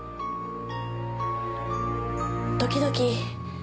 時々。